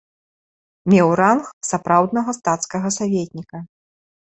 Меў ранг сапраўднага стацкага саветніка.